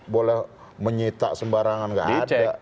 boleh menyita sembarangan nggak ada